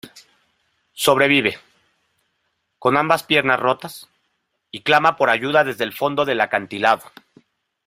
Sobrevive, con ambas piernas rotas, y clama por ayuda desde el fondo del acantilado.